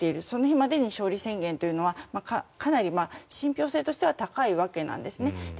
それまでに勝利宣言というのはかなり信ぴょう性としては高いわけなんですね。